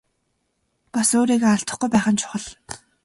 Бас өөрийгөө алдахгүй байх нь чухал.